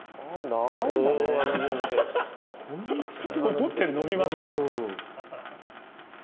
思ったより伸びますね。